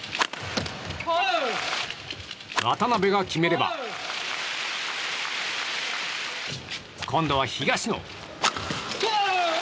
渡辺が決めれば今度は、東野！